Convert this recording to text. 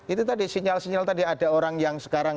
itu tadi sinyal sinyal tadi ada orang yang sekarang